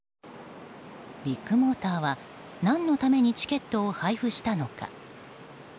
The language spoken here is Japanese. ビッグモーターは何のためにチケットを配布したのか。